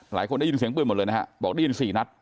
หลายคนได้ยินเสียงเปลือนหมดเลยนะครับบอกได้ยินสี่นัท